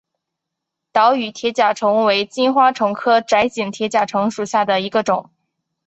岛屿铁甲虫为金花虫科窄颈铁甲虫属下的一个种。